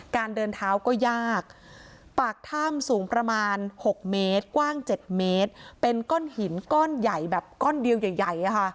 เดินเท้าก็ยากปากถ้ำสูงประมาณ๖เมตรกว้าง๗เมตรเป็นก้อนหินก้อนใหญ่แบบก้อนเดียวใหญ่